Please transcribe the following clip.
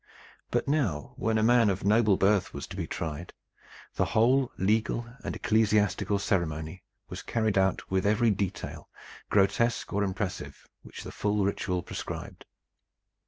But now, when a man of noble birth was to be tried, the whole legal and ecclesiastical ceremony was carried out with every detail, grotesque or impressive, which the full ritual prescribed.